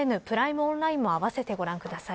オンラインも併せてご利用ください。